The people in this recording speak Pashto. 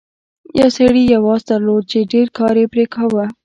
یو سړي یو اس درلود چې ډیر کار یې پرې کاوه.